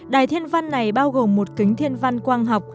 đài thiên văn này bao gồm một kính thiên văn quang học